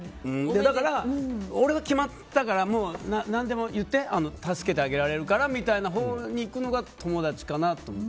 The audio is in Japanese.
だから俺は決まったから何でも言って助けてあげられるからみたいな方向にいくのが友達かなと。